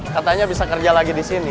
katanya bisa kerja lagi di sini